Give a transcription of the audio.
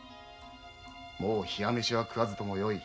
もう冷や飯は食わずともよい。